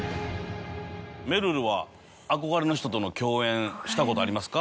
めるるは憧れの人との共演したことありますか？